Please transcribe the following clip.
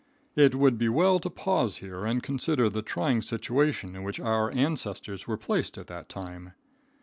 It would be well to pause here and consider the trying situation in which our ancestors were placed at that time.